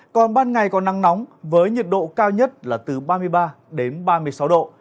còn ban ngày có nắng nóng với nhiệt độ cao nhất là từ ba mươi ba đến ba mươi sáu độ